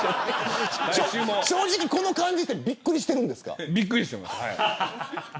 正直この感じってびっくりしています。